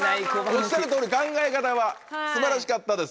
おっしゃるとおり考え方は素晴らしかったです。